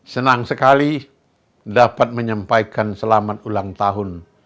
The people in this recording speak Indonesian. senang sekali dapat menyampaikan selamat ulang tahun